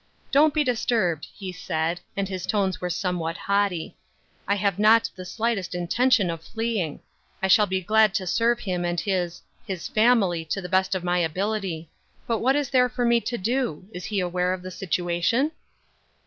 " Don't be disturbed," he said, and his tones were somewhat haughty. "I have not the shghtest intention of fleeing. I shall be glad to serve him and his — his family, to the best of my ability. But what is there for me to do? Is he aware of the situation